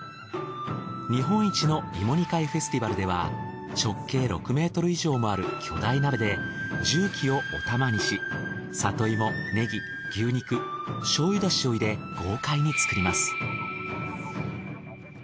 日本一の芋煮会フェスティバルでは直径６ｍ以上もある巨大鍋で重機をお玉にし里芋ネギ牛肉醤油出汁を入れ豪快に作ります。